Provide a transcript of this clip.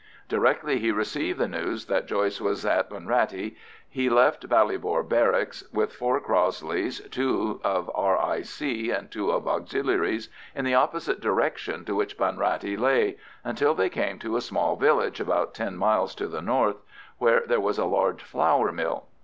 Directly he received the news that Joyce was at Bunrattey, he left Ballybor Barracks with four Crossleys, two of R.I.C., and two of Auxiliaries, in the opposite direction to which Bunrattey lay, until they came to a small village about ten miles to the north, where there was a large flour mill.